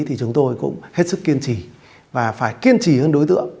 thì chúng tôi cũng hết sức kiên trì và phải kiên trì hơn đối tượng